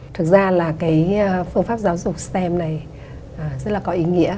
thực ra là cái phương pháp giáo dục stem này rất là có ý nghĩa